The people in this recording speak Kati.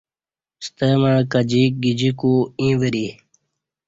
ستمع کجییک گجیکو ییں وری